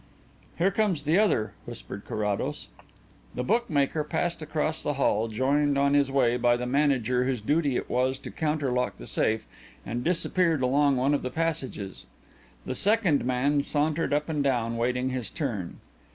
"Here comes the other," whispered Carrados. The bookmaker passed across the hall, joined on his way by the manager whose duty it was to counterlock the safe, and disappeared along one of the passages. The second man sauntered up and down, waiting his turn.